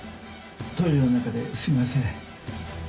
トイレの中ですいません。